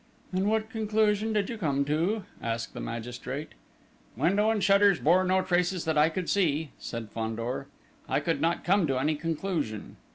"And what conclusion did you come to?" asked the magistrate. "Window and shutters bore no traces that I could see," said Fandor. "I could not come to any conclusion."